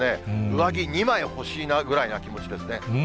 上着２枚欲しいなぐらいの気持ちですね。